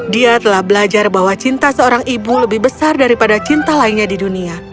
dia telah belajar bahwa cinta seorang ibu lebih besar daripada cinta lainnya di dunia